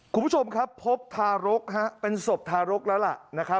คุณผู้ชมครับพบทารกษ์เป็นศพทารกษ์แล้วล่ะ